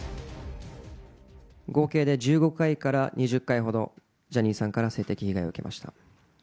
合計で１５回から２０回ほど、ジャニーさんから性的被害を受けました。